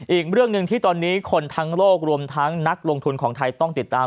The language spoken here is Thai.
อีกเรื่องหนึ่งที่ตอนนี้คนทั้งโลกรวมทั้งนักลงทุนของไทยต้องติดตาม